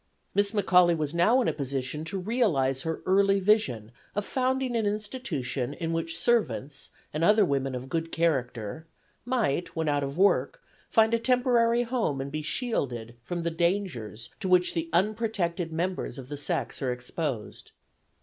Miss McAuley was now in a position to realize her early vision of founding an institution in which servants and other women of good character might, when out of work, find a temporary home and be shielded from the dangers to which the unprotected members of the sex are exposed.